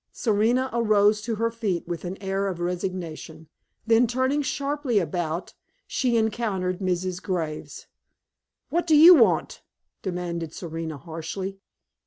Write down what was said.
Serena arose to her feet with an air of resignation, then turning sharply about, she encountered Mrs. Graves. "What do you want?" demanded Serena, harshly.